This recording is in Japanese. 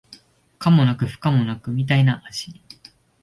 可もなく不可もなくみたいな味